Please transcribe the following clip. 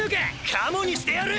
カモにしてやる！